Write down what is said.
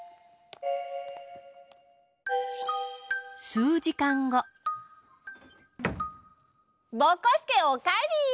すうじかんごぼこすけおかえり！